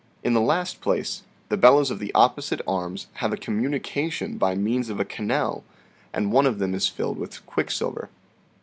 In the last place, the bellows of the opposite arms have a communication by means of a canal, and one of them is filled with quicksilver.